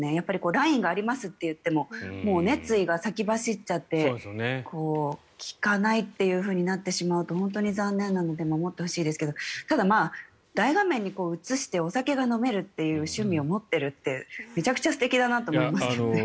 ラインがありますといっても熱意が先走っちゃって聞かないとなってしまうと本当に残念なので守ってほしいですけどただ、大画面に映してお酒が飲めるという趣味を持ってるってめちゃくちゃ素敵だなと思いますけどね。